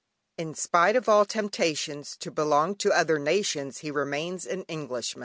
"In spite of all temptations To belong to other nations He remains an Englishman" "H.